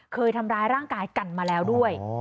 เคยทำร้ายร่างกายกันมาแล้วด้วย